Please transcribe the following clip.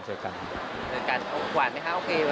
หวานไหมคะโอเคไหม